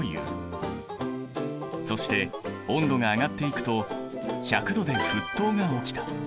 そして温度が上がっていくと１００℃で沸騰が起きた。